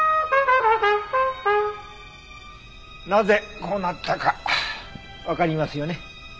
なぜこうなったかわかりますよね？